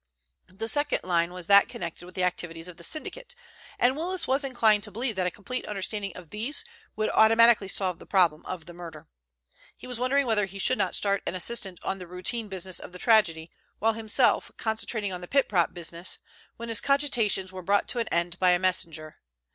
The second line was that connected with the activities of the syndicate, and Willis was inclined to believe that a complete understanding of these would automatically solve the problem of the murder. He was wondering whether he should not start an assistant on the routine business of the tragedy, while himself concentrating on the pit prop business, when his cogitations were brought to an end by a messenger.